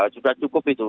sudah cukup itu